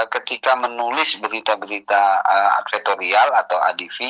ketika menulis berita berita advertorial atau adv